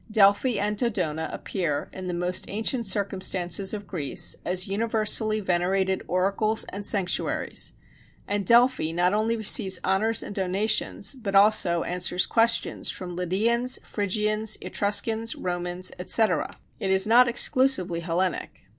Delphi and Dodona appear, in the most ancient circumstances of Greece, as universally venerated oracles and sanctuaries: and Delphi not only receives honors and donations, but also answers questions from Lydians, Phrygians, Etruscans, Romans, etc.: it is not exclusively Hellenic.